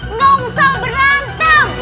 enggak usah berantem